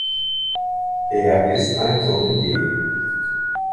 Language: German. Er ist ein Sommelier.